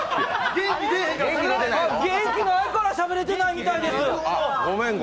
元気ないからしゃべれてないみたいです。